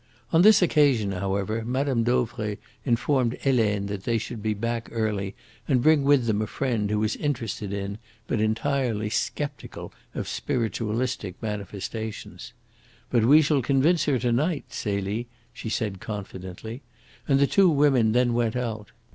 On this occasion, however, Mme. Dauvray informed Helene that they should be back early and bring with them a friend who was interested in, but entirely sceptical of, spiritualistic manifestations. "But we shall convince her to night, Celie," she said confidently; and the two women then went out.